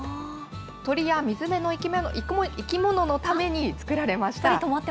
鳥や水辺の生き物のために作られました。